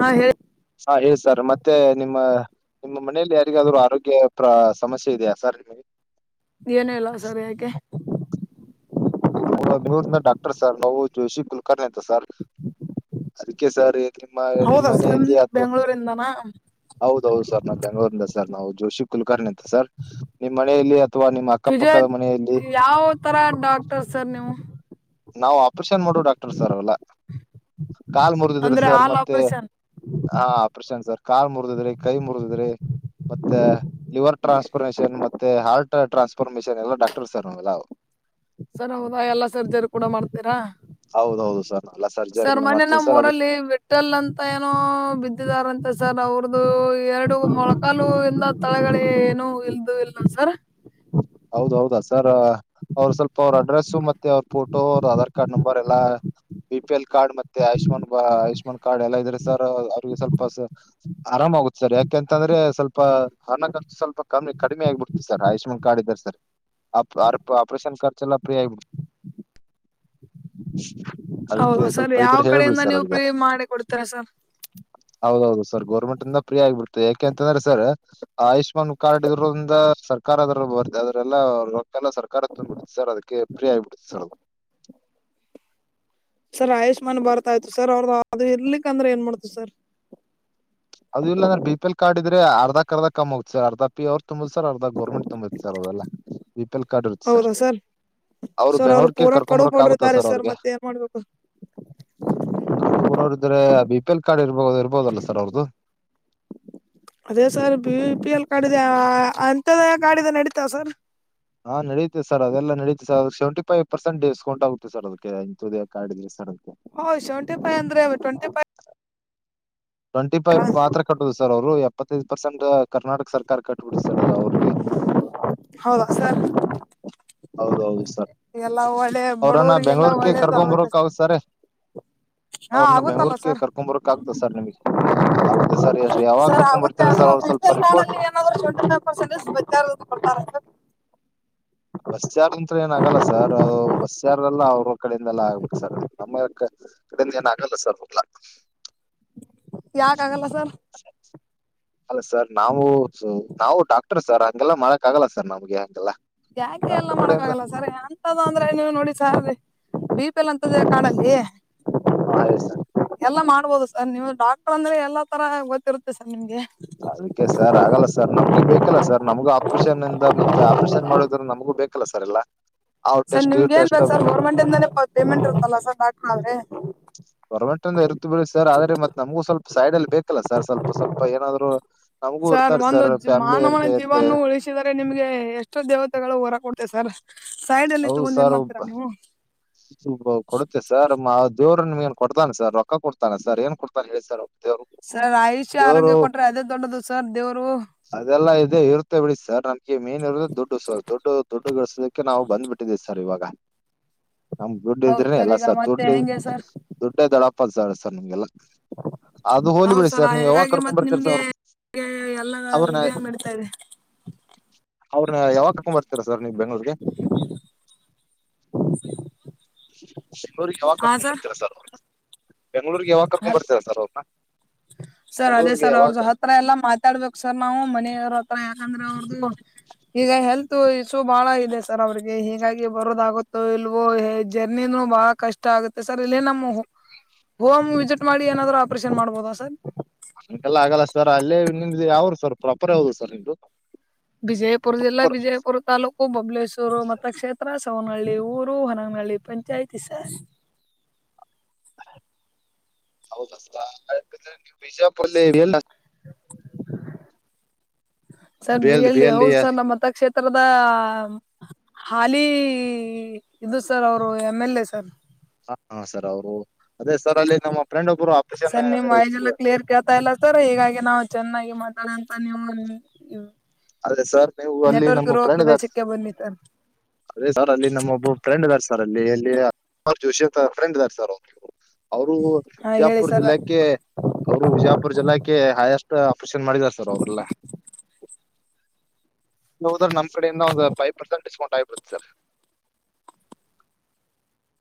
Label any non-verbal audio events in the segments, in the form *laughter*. ಹಾ ಹೇಳಿ ಹಾ ಸರ್ ಮತ್ತೆ ನಿಮ್ಮ ನಿಮ್ಮ ಮನೆಯಲ್ಲಿ ಯಾರಿಗಾದ್ರೂ ಆರೋಗ್ಯ ಪ್ರಾ ಸಮಸ್ಯೆ ಇದೆಯಾ ಸರ್ ನಿಮಗೆ ಏನ ಇಲ್ಲಾ ಸರ್ ಯಾಕೆ ನಾವು ಡಾಕ್ಟರ್ ಸರ್ ನಾವು ಜೋಶಿ ಕುಲ್ಕರ್ಣಿ ಅಂತ ಸರ್ ಅದಕ್ಕೆ ಸರ್ ನಿಮ್ಮ ನಿಮ್ಮನ ಹೌದಾ ಸರ್ ಮನೆಯಲ್ಲಿ ಆತು ಬೆಂಗಳೂರಿಂದನಾ ಹೌದೌದು ಸರ್ ನಾನ್ ಬೆಂಗಳೂರಿಂದ ಸರ್ ನಾವು ಜೋಶಿ ಕುಲಕರ್ಣಿ ಅಂತ ಸರ್ ನಿಮ್ ಮನೆಯಲ್ಲಿ ಅಥವಾ ನಿಮ್ಮ್ ಅ ಫಿಜೋ ಯಾವ ಥರಾ ಡಾಕ್ಟರ್ ಸರ್ ನೀವು ನಾವು ಆಪರೇಷನ್ ಮಾಡೋ ಡಾಕ್ಟರ್ ಸರ್ ಎಲ್ಲಾ ಕಾಲ್ ಮುರಿದಿದ್ರ ಅಂದ್ರೆ ಸರ್ ಆಲ್ ಮತ್ತೆ ಆಪರೇಷನ್ ಹಾ ಪ್ರಶಾಂತ್ ಸರ್ ಕಾಲ್ ಮುರಿದಿದ್ರೇ ಕೈ ಮುರಿದಿದ್ರೆ ಮತ್ತೆ ಲಿವರ್ ಟ್ರಾನ್ಸ್ಫಾರ್ಮೇಶನ್ ಮತ್ತೆ ಹಾಟ್ ಟ್ರಾನ್ಸ್ಫಾರ್ಮೇಶನ್ ಎಲ್ಲಾ ಡಾಕ್ಟರ್ ಸರ್ ಅವೇಲ್ಲಾ ಸರ್ ಹೌದಾ ಎಲ್ಲಾ ಸರ್ಜರಿ ಕೂಡ ಮಾಡ್ತೀರಾ ಹೌದೌದು ಸರ್ ಎಲ್ಲಾ ಸರ್ಜರಿ ಎಲ್ಲಾ ಮಾಡ್ತೀವಿ ಸರ್ ಅದ ಹೋಟೆಲ್ ಅಂತ ಏನೋ ಬಿದ್ದಿದಾರಂತೆ ಸರ್ ಅವ್ರದು ಎರಡು ಮೊಳಕಾಲು ಇಂದ ತಳಗಡೆ ಏನು ಇಲ್ದು ಇಲ್ ಸರ್ ಹೌದ ಹೌದಾ ಸರ್ ಅವರು ಸ್ವಲ್ಪ ಅವ್ರ ಅಡ್ರೆಸ್ಸು ಮತ್ತೆ ಅವ್ರ ಫೋಟೋ ಅವ್ರ ಆಧಾರ್ ಕಾರ್ಡ್ ನಂಬರ್ ಎಲ್ಲಾ ಬಿ ಪಿ ಎಲ್ ಕಾರ್ಡ್ ಮತ್ತೆ ಆಯುಷ್ಮಾನ್ ಬ ಆಯುಷ್ಮಾನ್ ಕಾರ್ಡ್ ಎಲ್ಲಾ ಇದ್ರೆ ಸರ್ ಅವ್ರಿಗೆ ಸ್ವಲ್ಪ ಆರಾಮ ಆಗುತ್ತೆ ಸರ್ ಯಾಕೆಂತ ಅಂದ್ರೆ ಸ್ವಲ್ಪ ಹಣ ಖರ್ಚಾ ಸ್ವಲ್ಪ ಕಮ್ಮಿ ಕಡಿಮೆ ಆಗ್ಬಿಡ್ತದೆ ಸರ್ ಆಯುಷ್ಮಾನ್ ಕಾರ್ಡ್ ಇದ್ದಾರೆ ಸರ್ ಆಪರೇಷನ್ ಖರ್ಚ ಎಲ್ಲಾ ಫ್ರೀ ಆಗಿಬಿಡುತ್ತೆ *unintelligible* ಹೌದು ಸರ್ ಯಾವ ಕಡೆಯಿಂದ ನೀವು ಫ್ರೀ ಮಾಡಿ ಕೊಡ್ತರಾ ಸರ್ ಹೌದೌದು ಸರ್ ಗೌರ್ಮೆಂಟ್ಂದ ಫ್ರೀ ಆಗ್ಬಿಡ್ತದೆ ಯಾಕೆ ಅಂದ್ರೆ ಸರ್ ಆಯುಷ್ಮಾನ್ ಕಾರ್ಡ್ ಇರೋದ್ರಿಂದ ಸರ್ಕಾರದಿಂದ ಬರ್ದೆ ಅದ್ರಲ್ಲ ರೊಕ್ಕೆಲ್ಲ ಸರ್ಕಾರ ತಂದ್ ಬಿಡುತ್ತ ಸರ್ ಅದಕ್ಕೆ ಫ್ರೀ ಆಗಿ ಬಿಡ್ತ ಸರ್ ಸರ್ ಆಯುಷ್ಮಾನ್ ಭಾರತ್ ಆಯ್ತು ಸರ್ ಅವ್ರದು ಅದು ಇರ್ಲಿಕ್ಕ ಅಂದ್ರೆ ಏನ್ ಮಾಡೊದ ಸರ್ ಅದು ಇಲ್ಲಾಂದ್ರೆ ಬಿ ಪಿ ಎಲ ಕಾರ್ಡ್ ಇದ್ರೆ ಅರ್ಧಕ್ ಅರ್ದ ಕಮ್ ಆಗುತ್ತ ಸ ಅರ್ಧ ಪಿ ಅವ್ ತುಂಬುದು ಸರ್ ಅರ್ಧ ಗೌರ್ಮೆಟ್ ತುಂಬು ಸರ್ ಅವೆಲ್ಲಾ ಬಿ ಪಿ ಎಲ್ ಕಾರ್ಡ್ ಇರುತ್ತೆ ಸರ್ ಅವರು ಸರ್ ಅವ್ರು ಬೆಂಗ್ಳೂರ್ ಕೇ ಪೂರಾ ಕಡು ಕರ್ಕೊಂಬರಕ್ ಆಗುತ್ತ ಬಡ್ರಿದ್ದಾರೆ ಸರ್ ಅವ್ರಿಗೆ ಮತ್ತೆ ಏನ್ ಮಾಡ್ಬೇಕು ಕಡು ಬಡೋರ ಇದ್ರೆ ಬಿ ಪಿ ಎಲ್ ಕಾರ್ಡ್ ಇರಬಹುದ ಇರ್ಬೋದಲ್ಲ ಸರ್ ಅವ್ರದು ಅದೇ sir B P L card ಇದೆ ಅಂತ್ಯೋದಯ ಕಾರ್ಡ್ ಇದ್ದರ ನಡೀತಾವ ಸರ್ ಹಾ ನಡೆಯುತ್ತೆ ಸರ್ ಅದೆಲ್ಲ ನಡುತ್ತ ಸರ್ ಅದಕ್ಕೆ ಸೆವೆಂಟಿ ಫೈವ್ ಪರ್ಸೆಟ್ ಡಿಸ್ಕೌಂಟ್ ಆುತ್ತೆ ಸರ್ ಅದಕ್ಕೆ ಇಂತದೇ ಕಾರ್ಡದ್ರೆ ಸರ್ ಹ್ ಶೆವೆಂಟಿ ಫೈ ಅಂದ್ರೆ ಟ್ಂಟಿ ಫೈವ್ ಟ್ವೆಂಟಿ ಫೈವ್ ಮಾತ್ರ ಕಟ್ಟುದು ಸರ್ ಅವರು ಎಪ್ಪತ್ತೈದು ಪರ್ಸೆಂಟ್ ಕರ್ನಾಟಕ ಸರ್ಕಾರ ಕಟ್ಟಬಿಡತ ಸರ್ ಅದು ಅವ್ರಿಗೆ ಹೌದಾ ಸರ್ ಹೌದೌದು ಸರ್ ಎಲ್ಲ ಒಳ್ಳೆ ಅವ್ರನ್ನ ಬಡವರಿಗೆಲ್ಲ ಬೆಂಗಳೂರು ಕೆ ಒಳ್ಳೇದು ಕರ್ಕೊಂಡ್ ಆಗುತ್ತೆ ಬರಬೇಕ್ದು ಸರ್ ಹಾ ಅವ್ರನ್ನ ಆಗುತ್ತಲ್ಲ ಬೆಂಗಳೂರ್ ಸರ್ ಕರ್ಕೊಂಡ್ ಬರೋಕ್ ಆಗ್ತದ ಸರ್ ನಮಗ ಹೌದ ಸರ್ ಯಾವಾಗ ಕರ್ಕೊಂಡ್ ಬರ್ತಾರಾ ಸರ್ ಅವ್ ಸ್ವಲ್ಪ ರಿಪೋರ್ಟ್ *unintelligible* ಬಾರ ಕೊಡ್ತಾರ ಬಸ್ ಚಾರ್ಜ್ ಅಂತ್ರ ಏನ ಆಗಲ್ಲ ಸರ್ ಅ ಬಸ್ ಚಾರ್ಜ್ ಯಾರಲ್ಲ ಅವ್ರ ಕಡೆಯಿಂದೆಲ್ಲ ಆಗ್ಬೇಕು ಸರ್ ನಮ್ಮ ಕಡ ಏನ್ ಆಗಲ ಸರ್ ಹೋಗ್ಲಾಕ್ ಯಾಕ ಆಗಲ್ಲ ಸರ್. *inaudible* ಅಲ್ಲ ಸರ್ ನಾವು ನಾವು ಡಾಕ್ಟರ್ ಸರ್ ಹಂಗೆಲ್ಲ ಮಾಡಕ್ ಆಗಲ್ಲ ಸರ್ ನಮ್ಗೆ ಹಂಗೆಲ್ಲ ಯಾಕೆ ಎಲ್ಲ ಡಾಕ್ಟರ್ ಮಾಡಕ ಕಡೆಯಿಂದ ಆಗಲ್ಲ ಸರ್ ಆ ದ ಅಂದ್ರೆನ ನೋಡಿ ಸರ್ ಬೀಪ ಎಲ್ಲ ಅಂತದ ಕಾಡಲ್ಲಿ ಹಾ ಹ ಸರ್. ಎಲ್ಲಾ ಮಾಡ್ಬೋದು ಸರ್ ನೀವು ಡಾಕ್ಟರ್ ಅಂದ್ರೆ ಎಲ್ಲಾ ತರ ಗೊತ್ತಿರುತ್ತೆ ಸರ್ ನಿಮ್ಗೆ. ಅದಕ್ಕೆ ಸರ್ ಆಗಲ್ಲ ಸರ್ ನಮ್ಗು ಬೇಕಲ್ಲ ಸರ್ ನಮ್ಗ ಆಪ್ರೇಷನ್ ಇಂದ ಮತ್ತೆ ಆಪ್ರೇಷನ್ ಮಾಡದ್ರ ನಮಗೂ ಬೇಕಲ್ಲ ಸರ್ ಎಲ್ಲಾ. ಸರ್ ನಿಮ್ಗ ಏನ್ ಬೇಕ ಸರ್ ಗೋರ್ಮಂಟ್ ಇಂದಾನೆ ಪೇಮೆಂಟ್ ಇರ್ತ್ತಲ್ಲ ಸರ್ ಡಾಕ್ಟರ್ ಆದ್ರೆ. ಗೋರ್ಮೆಂಟ್ ಇಂದ ಇರ್ತ ಬಿಳಿ ಸರ್ ಆದ್ರೆ ಮತ್ತ ನಮಗೂ ಸ್ವಲ್ಪ ಸೈಡ್ ಅಲ್ಲಿ ಬೇಕಲ್ಲ ಸರ್ ಸ್ವಲ್ಪ ಸ್ವಲ್ಪ ಏನಾದ್ರು. ನಮಗೂ ಸರ್ ಇರ್ತಾರೆ ಒಂದು ಜಿ ಫ್ಯಾಮಿಲಿ ಮಾನವನ ಇರ್ತೆ ಇರ್ತೆ ಜೀವವನ್ನು ಉಳಿಸಿದರೆ ನಿಮ್ಗೆ ಎಷ್ಟೋ ದೇವತೆಗಳ ಒರ ಕೊಡುತ್ತೆ ಸರ್. ಸೈಡಲ್ಲಿ ಇಟ್ಕೊಂಡ ಏನ್ ಮಾಡ್ತೀರಾ ನೀವು. *inaudible* ಕು ಕೊಡುತ್ತ ಸರ್ ದೇವ್ರ ನಿ ಏನ್ ಕೊಡ್ತಾನೆ ಸರ್ ರೊಕ್ಕ ಕೊಡ್ತಾನೆ ಸರ್ ಏನ್ ಕೊಡ್ತಾನ ಹೇಳ ಸರ್. ದೇವ್ರು ಸರ್ ಆಯುಷ್ಯ ಆರೋಗ್ಯ ಕೊಟ್ರೆ ಅದೇ ದೊಡ್ಡದು ಸರ್ ದೇವ್ರು. ಅದೆಲ್ಲ ಇದೆ ಇರುತ್ತೆ ಬಿಡಿ ಸರ್ ನನ್ಗೆ ಮೇನ್ ಇರದು ದೊಡ್ಡು ಸ ದುಡ್ಡ ದುಡ್ಡು ಗಳಿಸ ಕ್ಕೆ ನಾವ ಬಂದ್ಬಿಟ್ಟಿದೀವಿ ಸರ್ ಇವಾಗ. *inaudible* ನಮ್ಗ ದುಡ್ಡ ಹೌದ್ ಇದ್ರೆನೆ ಎಲ್ಲ ಈಗ ಸರ್ ಮತ್ತೆ ದುಡ್ಡ ಹೆಂಗೆ ಸರ್ ದುಡ್ಡೇ ದೊಡಪ್ಪ ಸರ್ ಸರ್ ನಮ್ಗೆಲ್ಲ ಅದು ಹೋಲಿ ಹೌದ್ ಬಿಳಿ ಸರ್ ನೀವ ಯಾವಾಗ ಹಾಗಾಗಿ ಕರ್ಕೊಂಡ್ ಮತ್ ಬರ್ ನಿಮ್ಗೆ ಎಲ್ಲ ಇದೇ ನಡಿತಾ ಇದೆ. ಅವ್ರನ್ನ ಯಾವಾಗಕಕೊಂಡ ಬರ್ತೀರಾ ಸರ್ ನೀವ ಬೆಂಗ್ಳೂರ್ಗೆ. *unintelligible* ಯಾವಾಗ ಕರ್ಕೊಂದ ಬರ್ತೀರಾ ಸರ್ ಅವ್ರ್ನ. ಬೆಂಗಳೂರ್ಗ ಯಾವಾಗ ಕರ್ಕೊಂಡ ಹಲ್ ಬರ್ತರ ಸರ್ ಅವ್ರ್ನ. ಸರ್ ಅದೇ ಸರ್ ಅವ್ರದ ಹತ್ರ ಎಲ್ಲಾ ಮಾತಾಡ್ಬೇಕು ಸರ್ ನಾವು ಮನೆಯವ್ರ ಹತ್ರ ಯಾಕಂದ್ರ ಅವ ಹ್ಮ ಈಗ ಹೆಲ್ ತು ಇಸು ಬಾಳ ಇದೆ ಸರ್ ಅವ್ರಿಗೆ ಹೀಗಾಗಿ ಬರೋದಾಗುತ್ತೋ ಇಲ್ವೋ ಜರ್ನಿನು ಬಹಳ ಕಷ್ಟ ಷ್ ಆಗತ್ತೆ ಸರ್ ಇಲ್ಲ ನಮ್ಮ ಹೋಮ್ ವಿಸಿಟ್ ಮಾಡಿ ಏನಾದ್ರು ಆಪರೇಷನ್ ಮಾಡ್ಬೋದಾ ಸರ್. ಹಂಗೆಲ್ಲ ಆಗಲ್ಲ ಸರ್ ಅಲ್ಲೇ ನಿಮ್ದ ಯಾವ್ರು ಸರ್ ಪ್ರಾಪರ್ ಯಾವ್ದ ಸರ್ ನಿಮ್ದು. ಬಿಜಯಪುರ ಜಿಲ್ಲಾ ಪ್ರಾಪರ್ ಬಿಜಯಪುರ ತಾಲೂ ಹ ಬೊಬ್ಬಲೇಶ್ವರ ಮತ್ತ ಕ್ಷೇತ್ರ ಸವನಹಳ್ಳಿ ಊರು Honaganahalli panchayat sir. *unintelligible* Sir B L ಎಲ್ದಿ ಎಲ್ ಡಿ ಹೌದ ಸರ್ ನಮ್ಮತ್ತಕ್ಷೇ ತ್ತರದ ಹಾಲಿ ಇದು ಸರ್ ಅವರು ಎಮ್ ಎಲ್ ಎ ಸರ್. ಹ ಹ ಸರ್ ಅವರು ಅದೇ ಸರ್ ಅಲ್ಲಿ ನಮ್ಮ ಫ್ರೆಂಡ್ ಒಬ್ರು ಅ ಸರ್ ನಿಮ್ ವೈಜ ಎಲ್ಲ ಕ್ಲಿಯರ್. ಕೇಳ್ತಾ ಇಲ್ಲ ಸರ ಹೀಗಾಗಿ ನಾವ ಚೆನ್ನಾಗಿ ಮಾತಾಡಂತ ನೀವು ಆದ್ರೆ ಸರ್ ನೀವು ಅಲ್ಲಿ ನೆಟ್ವರ್ಕ್ ನಮ್ಮ ಇರುವ ಪ್ರನ್ ಇದ್ ಪ್ರದೇಶಕ್ಕೆ ಬನ್ನಿ ಸರ್ ಅದೇ ಸರ್ ಅಲ್ಲಿ ನಮ್ಮೊಬ್ಬ ಫ್ರೆಂಡ್ ಇದಾರೆ ಸರ್ ಅಲ್ಲಿ ಎಲ್ಲಿ ರ್ ಜೋಶಿ ಆತ ಫ್ರೆಂಡ್ ಅದರ ಸರ್. ಅವರು ಹಾ ಹೇಳಿ ವಿಜಾಪುರ ಸರ್ ಜಿಲ್ಲಕ್ಕೆ ಅವರು ವಿಜಯಾಪುರ್ ಜಿಲ್ಲಾಕ್ಕೆ ಹಯಸ್ ಸ ಆಪರೇಷನ್ ಮಾಡಿದ್ದಾರ ಸರ್ ಅವ್ರಲ್ಲ. ಹೋದ್ರ ನಮ್ಮ ಕಡಿಂದ ಒಂದ ಪೈ ಪರ್ಸೆಂಟ್ ಡಿಸ್ಕೌಂಟ್ ಆಗಿಬಿಡತ್ತಾ ಸರ್.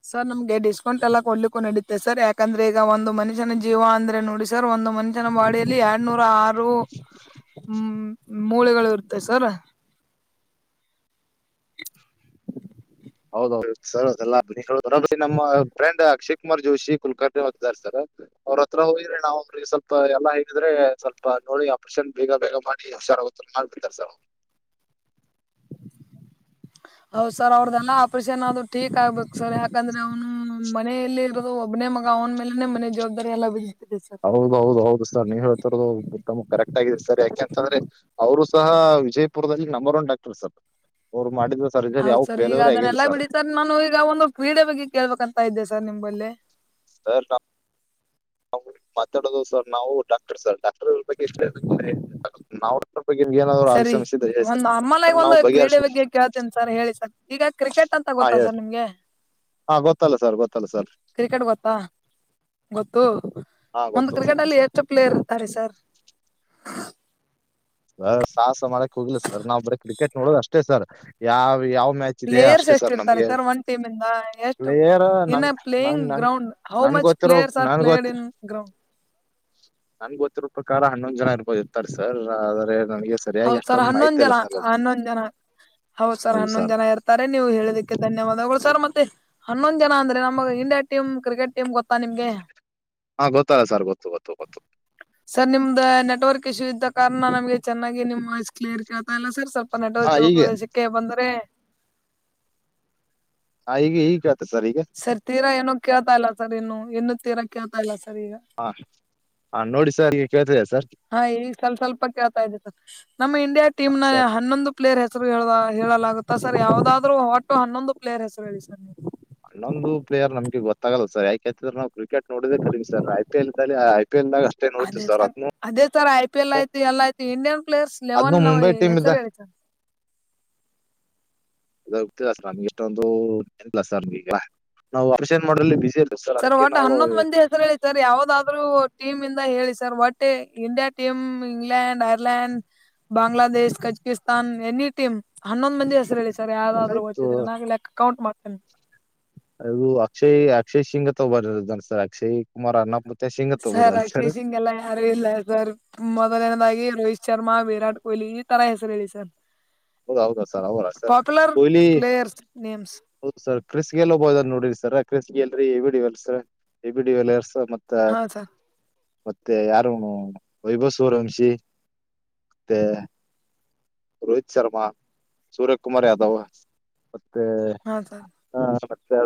ಸರ್ ನಮ್ಗೆ ಡೈಕೌಂಟ್ ಎಲ್ಲ ಕೊಡ್ಲಿಕ್ಕು ಇಡುತ್ತೆ ಸರ್ ಯಾಕಂದ್ರೆ ಈಗ ಒಂದ ಮನುಷ್ಯನ ಜೀವ ಅಂದ್ರೆ ನೋಡಿ ಸ್ ಸರ್ ಒಂದು ಮನುಷ್ಯನ ಬಾಡಿಯಲ್ಲಿ ಎರಡುನೂರ ಆರ ಮೂಳೆಗಳು ಇರುತ್ತೆ ಸರ್ ಹೌದೌದು ಸರ್ ಅದೆ ನಮ್ಮ ಫ್ರೆಂಡ್ ಅಕ್ಷಯ್ ಕುಮಾರ್ ಜೋಶಿ ಕುಲ್ಕರ್ಣಿ ಹೊತಿದ್ದಾರೆ ಸರ್ ಅವ್ರ ಹತ್ರ ಹೋಗ್ರೆ ನಾವ್ ಅವ್ರಿಗೆ ಸ್ವಲ್ಪ ಎಲ್ಲಾ ಹೇಗಿದ್ರೆ ಸ್ವಲ್ಪ ನೋಡಿ ಆಪರೇಷನ್ ಬೇಗ ಬೇಗ ಮಾಡಿ ಹುಷಾರಾಗೋ ಮಾಡ್ಬೇಕಂತಾರ ಸರ್ ಹೌದ್ ಸರ್ ಅವ್ರದ್ದೆಲ್ಲಾ ಆಪ್ರೇಷನ್ ಆದ್ರ ಟೀಕ್ ಆಗ್ಬೇಕು ಸರ್ ಯಾಕಂದ್ರೆ ಅವನು ಮನೆಯಲ್ಲಿ ಇರೋದು ಒಬ್ಬನೆ ಮಗಾ ಅವನ ಮೇಲೆನೆ ಮನೆ ಜವಾಬ್ದಾರಿ ಎಲ್ಲಾ ಬಿದ್ದಿದೆ ಹೌದೌದು ಹೌದು ಸರ್ ನೀವ್ ಹೇಳ್ತರೋದು ಕರೆಕ್ಟ್ ಆಗ ಸರ್ ಯಾಕೆಂತಂದ್ರೆ ಅವರು ಸಹ ವಿಜಯಪುರದಲ್ಲಿ ನಂಬರ್ ಒನ್ ಡಾಕ್ಟರ್ ಸರ್ ಅವ್ರು ಮಾಡಿದ ಸರ್ಜರೀ ಹೌದ್ ಯಾವ ಸರ್ ಈಗ ಪೇಲವ್ರೇ ಆಗಿಲ್ಲ ಅದನ್ನೆಲ್ಲಾ ಸರ್ ಬಿಡಿ ನಾನು ಈಗ ಒಂದು ಕ್ರೀಡೆ ಬಗ್ಗೆ ಕೇಳ್ಬೇಕ ಅಂತ ಇದ್ದೆ ಸರ್ ನಿಂಬಲ್ಲಿ ಸರ್ *unintelligible* ಹ ಮಾತಾಡೋದು ಸರ್ ನಾವು ಡಾಕ್ಟರ್ ಸರ್ ಡಾಕ್ಟರ್ ಬಗ್ಗೆ *unintelligible* ನಾವು ರೂಪಾಯಿ ನಿಮಗೆ ನಾದ್ರು ಆಗ ಸರಿ ಸಮಸಿದೆಯ ಸರ್ ಒಂದ್ ನಾರ್ಮಲ್ ಅ್ರ ಆಗಿ ಒಂದು ನಾವು ಕ್ರೀಡೆ ಬಗೆಹರಿಸು ಬಗ್ಗೆ ಕೇಳ್ತೀನಿ ಸರ್ ಹೇಳಿ ಸರ್ ಈಗ ಕ್ರಿಕೆಟ್ ಅಂತ ಹಾ ಗೊತ್ತಾ ಸರ್ ಹೇಳಿ ನಿಮ್ಗೆ ಹಾ ಗೊತ್ತಲ್ಲ ಸರ್ ಗೊತ್ತಲ್ಲ ಸರ್ ಕ್ರಿಕೆಟ್ ಗೊತ್ತಾ ಗೊತ್ತು ಹಾ ಒಂದು ಗೊತ್ತು ಕ್ರಿಕೆಟ್ ಅಲ್ಲಿ ಎಷ್ಟು ಪ್ಲೇಯರ್ ಇರ್ತಾರೆ ಸರ್ ಹ ಸಾಹಸ ಮಾಡಕ್ ಹೋಗ್ಲಿಲ್ಲಾ ಸರ್ ನಾವ್ ಬರೀ ಕ್ರಿಕೆಟ್ ನೋಡದು ಅಷ್ಟೇ ಸರ್ ಯಾವ್ ಯಾವ ಮ್ಯಾಚ್ ದೆ ಪ್ಲೇಯರ್ಸ್ ಅಷ್ಟೇ ಎಷ್ಟ್ ಸರ್ ಇರ್ತಾರೆ ನಿಮ್ಗೆ ಒನ್ ಟೀಮ್ ಇಂದ ಎಷ್ಟು ನಿಯರ್ ಇನ್ ನನ್ ಅ ಪ್ಲೇಯಿಂಗ್ ನನ್ ನ್ ಗ್ರೌಂಡ್ ಹೌ ನನ್ಗ ಮಚ್ ಗೊತ್ತಿರೋ ಪ್ಲೇಯರ್ಸ್ ಆರ್ ನನಗ ಪ್ಲೇಯಡ್ ಗೊತ್ತ್ ಇನ್ ಗ್ರೌಂಡ್ ನನ್ಗೆ ಗೊತ್ತಿರೋ ಪ್ರಕಾರ ಹನ್ನೊಂದ್ ಜನಾ ಆರ ಇರ್ತಾರೆ ಸರ್ ಆದ್ರೆ ನನ್ಗೆ ಹೌದ ಸರ್ ಹನ್ನೊಂದ್ ಜನ ಹನ್ನೊಂದ ಜನ ಹೌದ ಸರ್ ಹನ್ನೊಂದ್ ಜನ ಇರ್ತ ಕರೆ ನೀವು ಹೇಳದಕ್ಕೆ ಧನ್ಯವಾದಗಳು ಸರ್ ಮತ್ತೆ ಹನ್ನೊಂದ್ ಜನ ಅಂದ್ರೆ ನಮಗ ಇಂಡಿಯಾ ಟೀಮ್ ಕ್ರಿಕೆಟ್ ಟೀಮ್ ಗೊತ್ತಾ ನಿಮ್ಗೆ ಹಾ ಗೊತ್ತಿಲ್ಲಾ ಸರ್ ಗೊತ್ತು ಗೊತ್ತು ಗೊತ್ತು *unintelligible* ಸರ್ ನಿಮ್ದ ನೆಟ್ವರ್ಕ್ ಇಶ್ಯೂ ಇದ್ದ ಕಾರಣ ನಮಗೆ ಚೆನ್ನಾಗಿ ನಿಮ್ ವಾಯ್ಸ್ ಕ್ಲಿಯರ್ ಆಗಿ ಕೇಳತಾ ಇಲ್ಲಾ ಸರ್ ಸ್ವಲ್ಪ ಹಾ ನೆಟ್ವರ್ಕ್ ಇರುವ ಹೀಗೆ ಪ್ರದೇಶಕ್ಕೆ ಬಂದ್ರೆ ಹಾ ಈಗ ಈಗ ಕೇಳತ ಸರ್ ಈಗ ಸರ್ ತೀರಾ ಏನು ಕೇಳ್ತಾ ಇಲ್ಲ ಸರ್ ಇನ್ನು ಇನ್ನು ತೀರಾ ಕೇಳ್ತಾ ಇಲ್ಲ ಸರ್ ಈಗ ಹಾ ಹಾ ನೋಡಿ ಸರ್ ಈಗ ಕೇಳ್ತಿದಯ ಸರ್ ಹಾ ಈಗ ಸ್ವಲ್ಪ ಸ್ವಲ್ಪ ಕೇಳ್ತಾ ಇದೆ ಸರ್ ನಮ್ಮ ಇಂಡಿಯಾ ಟೀಮ್ ನ ಸರ್ ಹನ್ನೊಂದು ಪ್ಲೇರ್ ಹೆಸರು ಹೇಳ ಹೇಳಲಾಗುತ್ತಾ ಸರ್ ಯಾವದಾದ್ರು ಒಟ್ಟು ಹನ್ನೊಂದು ಪ್ಲೇಯರ್ ಹೆಸರು ಹೇಳಿ ಸರ್ ಹನ್ನೊಂದು ಪ್ಲೇರ್ ನಮ್ಗೆ ಗೊತ್ತಾಗಲ್ಲ ಸರ್ ಯಾಕೆೇತಿದ್ರ ನಾ ಕ್ರಿಕೆಟ್ ನೋಡೋದೇ ಕಮೀ ಸರ್ ಐ ಪಿ ಎಲ್ಲಿ ಐ ಪಿ ಎಲ್ದಾಗ ಅದೇ ಸರ್ ಅದೇ ಸರ್ ಐ ಪಿ ಎಲ್ ಆಯ್ತು ಎಲ್ಲ ಆಯ್ತು ಇಂಡಿಯನ್ ಪ್ಲೇಯರ್ಸ್ ಅದ್ನು ಲೆವೆನ್ ನ್ ಮುಂಬೈ ಟೀಮ್ ಇದ್ದಾಗ ಹೆಸರು ಹೇಳಿ ಸರ್ ಅ ಹೋಗ್ತ ಸರ್ ನಮಗೆ ಇಷ್ಟೊಂದು ಇಲ್ಲಾ ಸರ್ ನಾವು ಅಪೇಷನ್ ಮಾಡ್ರಲ್ಲಿ ಬಿಜಿ ಇರ್ ಸರ್ ಒಟ್ಟ ಹನ್ನೊಂದು ಮಂದಿ ಹೆಸರು ಹೇಳಿ ಸರ್ ಯಾವದಾದ್ರು ಟೀಮ್ ಇಂದ ಹೇಳಿ ಸರ್ ಒಟ್ಟೆ India team England, Ireland Bangladesh Kazakhstan any team ಹನ್ನೊಂದು ಮಂದಿ ಹೆಸರ ಹೇಳಿ ಸರ್ ಸರಿ ಯಾವ್ದಾದ್ ಆಯ್ತು ಒತ್ತಿದ್ರ ನಾ ಕೌಂಟ್ ಮಾಡ್ತೇನಿ ಅದು ಅಕ್ಷಯ್ ಅಕ್ಷಯ್ ಸಿಂಗತ್ ಒಬ್ಬ ಇದಾರ್ ಅಕ್ಷಯ್ ಕುಮಾರ್ ಅನ್ನಪ್ಪ ಸರ್ ಅಕ್ಷಯ್ ಹಂಗೆಲ್ಲ ಯಾರು ಇಲ್ಲ ಸರ್ ಮೊದಲನದಾಗಿ ರೋಹಿತ್ ಶರ್ಮಾ ವಿರಾಟ್ ಕೊಹ್ಲಿ ಇತರಾ ಹೆಸರು ಹೇಳಿ ಸರ್ ಹೌದ ಹೌದಾ ಸರ್ ಹೌದಾ sir popular Kohli players names ಹೌದು ಸರ್ ಕ್ರಿಸ್ ಗೆಲ್ಲ ಒಬ್ಬ ಇಧಾನ ನೋಡ್ರರಿ ಸರ್ ಕ್ರಿಸ್ ಗೆ ಎಲ್ರಿ A B de Villiers A B de Villiers ಮತ್ತೆ ಹಾ ಮತ ಸರ್ ಮತ್ತೆ ಯಾರ್ ಇವ್ನು ವೈಭವ್ ಸೂರಂಶಿ ಮತ್ತೆ. ರೋಹಿತ್ ಶರ್ಮಾ ಸೂರ್ಯ ಕುಮಾರ್ ಯಾದವ್ ಮತ್ತೆ. ಹಾ ಸರ್. ಹಾ ಮತ್ತೆ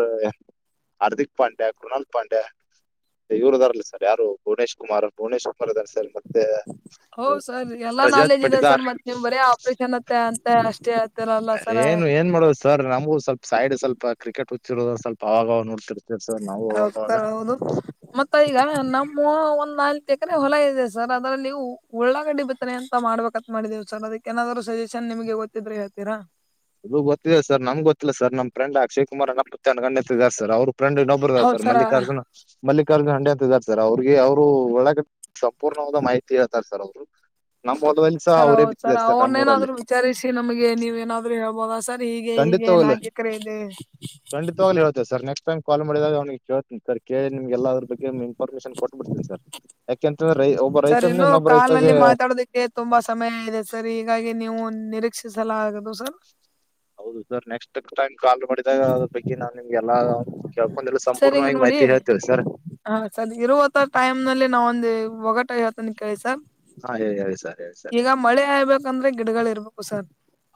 ಹಾರ್ದಿಕ್ ಪಾಂಡ್ಯ, ಕೃನಾಲ್ ಪಾಂಡ್ಯ. ಇವರು ಇದಾರ್ಲ್ ಸರ್ ಯಾರು ಭುವನೇಶ್ ಕುಮಾರ್ ಭುವನೇಶ್ ಕುಮಾರ್ ಇದಾರೆ ಸರ್ ಮತ್ತೆ. ಆ, ಹೌದ್ ಸರ್ ಎಲ್ಲಾ ರಜಾತ್ ನಾಲೆಜ್ ಇದೆ ಸರ್ ಪಟ್ಟಿದಾರ್ ಮತ್ತ ನಿಮ್ ಬರೇ ಆಪ್ರೇಷನ್ ಅತ್ತೆ ಅಂತ ಅಷ್ಟೇ. ಹೇಳ್ತಿರಲ್ಲ ಸರ್ ಹೇನ್ ಏನ್ ಮಾಡೋದು ಸರ್ ನಮಗೂ ಸ್ವಲ್ಪ ಸೈಡ್ ಸ್ವಲ್ಪ ಕ್ರಿಕೆಟ್ ಹುಚ್ಚ ಹಿಡ್ದದ ಸ್ವಲ್ಪ ಅವಾಗ ಅವಾಗ ನೋಡ್ತಿರ್ ಕೆ ಸರ್ ನಾವು. ಹೌದ್ ಅವಾಗವಾಗ ಸರ್ ಹೌದು. ಮತ್ತ ಈಗ ನಮ್ಮ ಒಂದ್ ನಾಲ್ಕ ಎಕರೆ ಹೊಲ ಇದೆ ಸರ್. ಅದರಲ್ಲಿ ಉಳ್ಳಾಗಡ್ಡಿ ಬೀ ಎಂತ ಮಾಡ್ಬೇಕತ್ ಮಾಡಿದೇವು ಸರ್ ಅದಕ್ಕೆ ಏನಾದ್ರು ಸಜೆಷನ್ ನಿಮಗೆ ಗೊತ್ತಿದ್ರೆ ಹೇಳ್ತೀರ. ಇದು ಗೊತ್ತಿದೆ ಸರ್ ನಂಗ್ ಗೊತ್ತಿಲ್ಲ ಸರ್ ನಮ್ ಫ್ರೆಂಡ್ ಅಕ್ಷಯ್ ಕುಮಾರ್ *unintelligible* ಗಣ್ಯ ಅಂತ ಇದಾರೆ ಸರ್ ಅವ್ರ್ ಫ್ರೆಂಡ್ ಇನ್ನೊಬ್ *unintelligible* ಹೌದ್ ಸರ್ ಸರ ಮಲ್ಲಿಕಾರ್ಜುನ್ ಮಲ್ಲಿಕಾರ್ಜುನ್ ಹಂಡೆ ಅಂತ ಇದ್ದಾರೆ ಸರ್. ಅವ್ರಿಗೆ ಅವರು ಒಳಗ ಸಂಪೂರ್ಣವಾದ ಮಾಹಿತಿ ಹೇಳ್ತಾರೆ ಸರ್ ಅವ್ರು ನಮ್ಮ ಹೋಲ್ದಲ್ಲಿಸಹ ಸರ್ ಅವರೇ ಹೌದ್ ಬಿತ್ತಿದ್ದಾರೆ ಸರ್ ನಮ್ಮ್ ಊರಲ್ಲಿ. ಅವ್ರನೇನಾದ್ರು ವಿಚಾರಿಸಿ ನಮಗೆ ನೀವೇನಾದ್ರೂ ಹೇಳ್ಬಹುದಾ ಸರ್. ಹೀಗೆ ಹೀಗೆ ಖಂಡಿತವಾಗ್ಲು ನಾಕ್ ಎಕರೆ ಇದೆ. ಖಂಡಿತವಾಗ್ಲು ಸರ್ ನೇಕ್ಸ್ಟ್ ಟೈಮ್ ಕಾಲ್ ಮಾಡಿದಗ ಅವ್ನಿಗಿ ಕೇಳ್ತನಿ ಸರ್ ಕೇಳಿ ನಿಮಗೆಲ್ಲ ಅದ್ರ ಬಗ್ಗೆ ಪರ್ಮಿಷನ್ ಕೊಟ್ಟ ಬಿಡ್ತೀನಿ ಸರ್ ಯಾಕೆಂತಂದ್ರೆ ಒಬ್ಬ ರೈತನಿಂದ್ ಇನ್ನೊಬ್ಬ ರೈತಗೆ. ಗೆ ತುಂಬಾ ಸಮಯ ಇದೆ ಸರ್ ಹೀಗಾಗಿ ನೀವು ನಿರೀಕ್ಷಿಸಲಾಗದು ಸರ್. ಹೌದು ಸರ್. ನೆಕ್ಸ್ಟ್ ಟೈಮ್ ಕಾಲ್ ಮಾಡಿದಾಗ ಅದ್ರ ಬಗ್ ನಾನ್ ನಿಮ್ಗೆಲ್ಲ, ಕೇಳ್ಕೊದೇಲ್ ಸರ್ ಈಗ ಸಂಪೂರ್ಣವಾಗಿ ನೋಡಿ ಮಾಹಿತಿ ಹೇಳ್ತಿವಿ ಸರ್. ಹಾ ಸರ್ ಇರುವತ್ತ ಟೈಮ್ ನಲ್ಲಿ ನಾವ ಒಂದು ಒಗಟ ಹೇಳ್ತಿನಿ ಕೇಳಿ ಸರ್. ಹಾ ಹೇಳಿ ಹೇಳಿ ಸರ್. ಹೇಳಿ ಸರ್ ಈಗ ಮಳೆ ಆಯಬೇಕಂದ್ರೆ ಗಿಡಗಳು ಇರ್ಬೇಕು ಸರ್.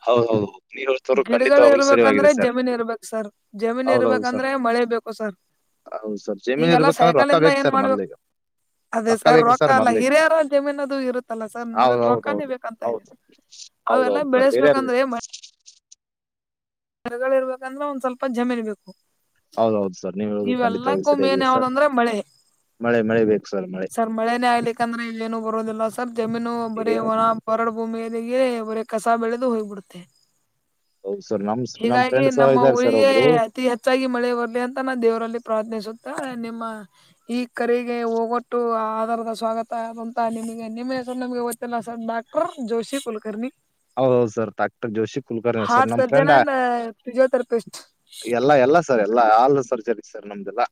ಹೌದೌದು ನೀವ್ ಹೇಳ್ತವ್ರು ಗಿಡಗಳು ಖಂಡಿತವಾಗ್ಲೂ ಇರ್ಬೇಕಂದ್ರೆ ಸರಿಯಾಗಿದೆ ಸರ್ ಜಮೀನ್ ಇರ್ಬೇಕ ಸರ್ ಜಮೀನ್ ಹೌದೌದು ಸರ್ ಇರ್ಬೇಕಂದ್ರೆ ಮಳೆ ಬೇಕ್. ಹ್ಮ್ ಸರ್ ಹೌದು ಸರ್ ಜಮೀನ್ ಈಗೆಲ್ಲ ಇರ್ಬೇಕಂದ್ರೆ ರೊಕ್ಕ ಸೈಕಲ್ಯಿಂದ ಬೇಕು ಏನ್ ಸರ್ ಮಾಡ್ಬೇಕ. ಮೊದ್ಲಿಗೆ ಅದೇ ರೊಕ್ಕ ಸರ್ ಬೇಕ್ರಿ ರೊಕ ಅಲ್ಲ ಮೊದ್ಲಿಗೆ ಹಿರಿಯರ ಜಮೀನು ಅದು ಇರುತ್ತಲ್ಲ ಸರ್ ಮೊದಲ್ ಹೌದೌದು ರೊಕ್ಕಾನೇ ಬೇಕಂತ ಇದೆ ಹೌದು ಅವೆಲ್ಲಾ ಹೌದೌದು ಸರ್ ಹೇರಿಯರ್. ಬೆಳೆಸ್ಬೇಕಂದ್ರೆ ಮರಗಳ ಇರ್ಬೇಕಂದ್ರ ಒಂದ್ ಸ್ವಲ್ಪ ಜಮೀನ್ ಬೇಕು. ಹೌದೌದು ಸರ್ ನೀವ್ ಹೇಳೋದು ಖಂಡಿತವಾಗಿ ಇವೆಲ್ಲಕ್ಕೂ ಮೇನ್ ಸರಿಯಾಗಿದೆ ಸರ್ ಯಾವ್ದಂದ್ರೆ ಮಳೆ. ಮಳೆ ಮಳೆ ಬೇಕ್ ಸರ್ ಮಳೆ. ಸರ್ ಮಳೆನೇ ಆಲಿಕ್ಕ ಅಂದ್ರೆ ಇಲ್ಲೇನು ಬರೋದಿಲ್ಲ ಸರ್ ಜಮೀನು ಬರೇ ಏನು ಹೋಲ್ ಬರಡು ಭೂಮಿಯಲ್ಲಿಗೆ ಬರೆ ಕಸ ಬೆಳೆದು ಹೋಗ್ಬಿಡ್ತೆೆ. ಹೌದ್ ಸರ್ ನಮ್ದ ಹೀಗಾಗಿ ನಮ್ಮ ಊರಿಗೆ. ಅತಿ ಹೆಚ್ಚಾಗಿ ಮಳೆ ಬರ್ಲಿ ಅಂತ ನಾ ದೇವರಲ್ಲಿ ಪ್ರಾರ್ಥನಿಸುತ್ತ ನಿಮ್ಮ. ಈ ಕರೆಗೆ ಹೋಗಟ್ಟು ಆ ಆಧಾರದ ಸ್ವಾಗತ ಆದಂತಹ ನಿಮಗೆ ನಿಮ್ಮ ಸರ್ ನಮಗೆ ಗೊತ್ತಿಲ್ಲ sir. Doctor Joshi Kulkarni. ಹೌದೌದು sir doctor Joshi Kulkarni sir ನಮ್ಮ ಫ್ರೆಂಡ್. ಫಿಸಿಯೋತೆೆರಪಿಸ್ಟಟ್. ಎಲ್ಲ ಎಲ್ಲ ಸರ್ ಎಲ್ಲಾ ಆಲ್ ಸರ್ಜರಿ ಸರ್ ನಮ್ದೇಲ್ಲಾ.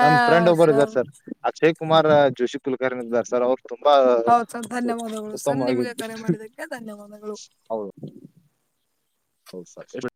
ಆ ನಮ್ ಫ್ರೆಂಡ್ ಒಬ್ಬರು ಇದಾರ್ ಸರ್ ಅಕ್ಷಯ್ ಕುಮಾರ್ ಜೋಶಿ ಕುಲಕರ್ಣಿ ಇದಾರ್ ಸರ್ ಅವ್ರು. ತುಂಬಾ ಹೌದು ಸರ್ ಧನ್ಯವಾದಗಳು ಸರ್ ನಿಮಗೆ ಉತ್ತಮವಾಗಿದ್ದು. ಕರೆ ಮಾಡಿದಕ್ಕೆ ಧನ್ಯವಾದಗಳು. *inaudible*